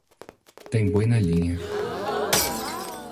Tem boi na linha